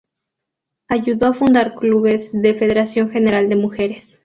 Ayudó a fundar clubes de la Federación General de mujeres.